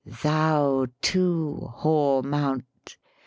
Thou too, hoar Mount!